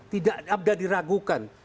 tidak ada diragukan